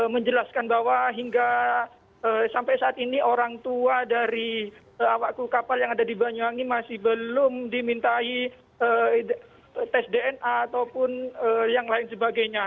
menjelaskan bahwa hingga sampai saat ini orang tua dari awak kru kapal yang ada di banyuwangi masih belum dimintai tes dna ataupun yang lain sebagainya